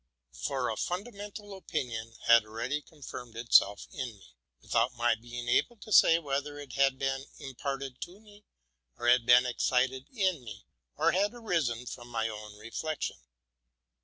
For a fundamental opinion had already confirmed itself in me, without my being able to say whether it had been im parted to me, or had been excited in me, or had arisen from my own reflection.